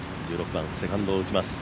１６番、セカンドを打ちます。